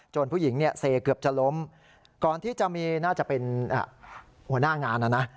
ผู้หญิงเนี่ยเซเกือบจะล้มก่อนที่จะมีน่าจะเป็นหัวหน้างานนะนะ